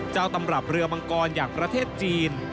ตำรับเรือมังกรอย่างประเทศจีน